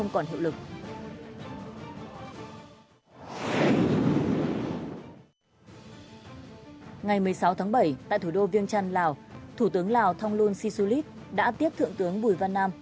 ngày một mươi sáu tháng bảy tại thủ đô viêng trăn lào thủ tướng lào thông luân si su lít đã tiếp thượng tướng bùi văn nam